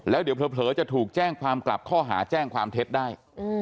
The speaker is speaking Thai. แล้วเดี๋ยวเผลอจะถูกแจ้งความกลับข้อหาแจ้งความเท็จได้